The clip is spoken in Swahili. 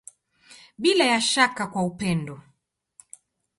Bila ya shaka kwa upendo.